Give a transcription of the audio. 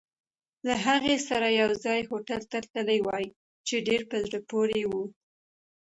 له هغې سره یوځای هوټل ته تللی وای، چې ډېر په زړه پورې وو.